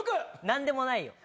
「なんでもないよ、」